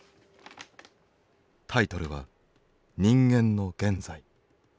タイトルは「人間の現在」。